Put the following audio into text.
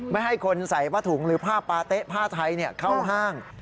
ไม่ให้คนใส่ผ้าถุงหรือผ้าปาเต๊ะผ้าไทยเข้าห้าง